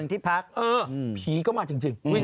พีคเข้ามาจริง